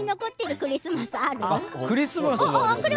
クリスマスはね